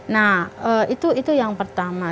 nah itu yang pertama